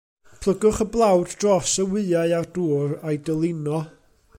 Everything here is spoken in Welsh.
Plygwch y blawd dros y wyau a'r dŵr a'i dylino.